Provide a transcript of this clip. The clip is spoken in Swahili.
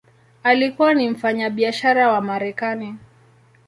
Alikuwa ni mfanyabiashara wa Marekani.